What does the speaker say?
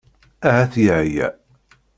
Ahat yeɛya.